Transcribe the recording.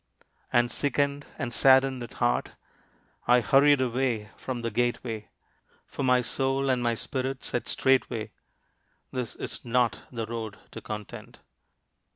And sickened, and saddened at heart, I hurried away from the gateway, For my soul and my spirit said straightway, "This is not the road to Content."